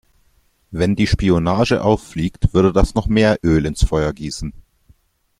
Wenn die Spionage auffliegt, würde das noch mehr Öl ins Feuer gießen.